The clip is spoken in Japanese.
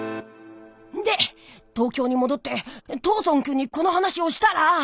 で東京にもどって藤村くんにこの話をしたら。